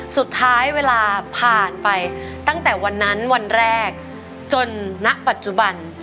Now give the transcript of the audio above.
สุดท้ายเวลาผ่านไปตั้งแต่วันนั้นวันแรกจนณปัจจุบัน